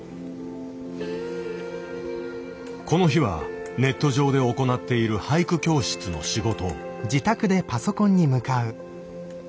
この日はネット上で行っている俳句教室の仕事。